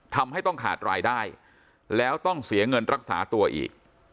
ทำให้ต้องขาดรายได้แล้วต้องเสียเงินรักษาตัวอีก